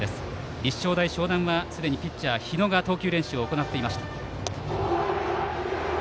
立正大淞南はすでにピッチャー日野が投球練習を行っていました。